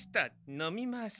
飲みます。